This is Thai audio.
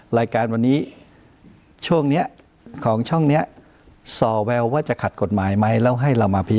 รายการวันนี้ช่วงนี้ของช่องนี้